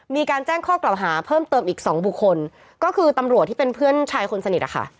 มีการแจ้งข้อกล่าวหาเพิ่มเติมอีกสองบุคคลก็คือตำรวจที่เป็นเพื่อนชายคนสนิทอะค่ะ